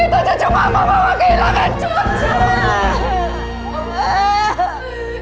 itu cucu mama mama kehilangan cucu